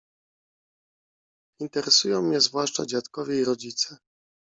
Interesują mnie zwłaszcza dziadkowie i rodzice.